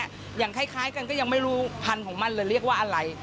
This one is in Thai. อย่างคล้ายกันก็ยังไม่รู้พันธุ์ของมันเลยเรียกว่าอะไร